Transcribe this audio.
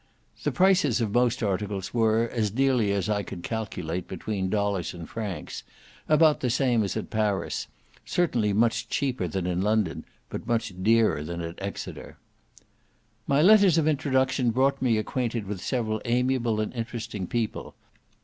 The prices of most articles were, as nearly as I could calculate between dollars and francs, about the same as at Paris; certainly much cheaper than in London, but much dearer than at Exeter. My letters of introduction brought me acquainted with several amiable and interesting people.